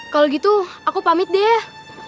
kalau gitu aku pamit deh